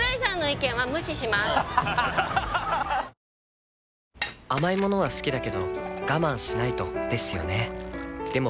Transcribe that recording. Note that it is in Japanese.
わかるぞ甘い物は好きだけど我慢しないとですよね